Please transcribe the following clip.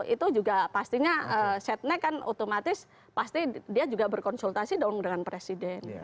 itu juga pastinya setnek kan otomatis pasti dia juga berkonsultasi dong dengan presiden